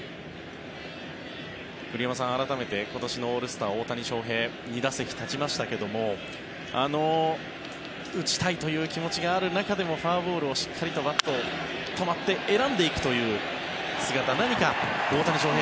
栗山さん、改めて今年のオールスター、大谷翔平２打席立ちましたが打ちたいという気持ちがある中でもフォアボールをしっかりとバットを止めて選んでいくという姿何か、大谷翔平